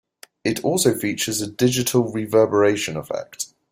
It also features a digital reverberation effect.